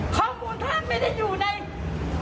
ข้อมูลข้างไม่ได้อยู่ในคนกระทก